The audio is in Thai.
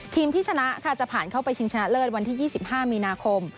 ทีมที่ชนะค่ะจะผ่านเข้าไปชิงชนะเลิศวันที่๒๕มีนาคม